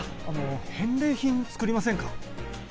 返礼品、作りませんか？